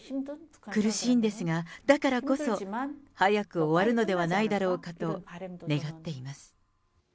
苦しいんですが、だからこそ早く終わるのではないだろうかと願っています。